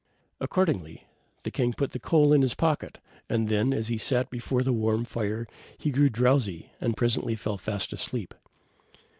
Accordingly the king put the coal in his pocket, and then, as he sat before the warm fire, he grew drowsy, and presently fell fast asleep.